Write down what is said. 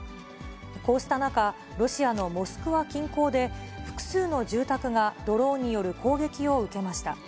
こうした中、ロシアのモスクワ近郊で、複数の住宅がドローンによる攻撃を受けました。